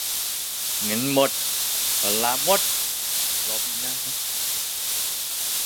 เงินหมด วันลาหมด รอปีหน้าเนอะ